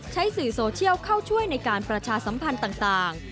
สื่อโซเชียลเข้าช่วยในการประชาสัมพันธ์ต่าง